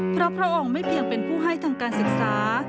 เพราะพระองค์ไม่เพียงเป็นผู้ให้ทางการศึกษา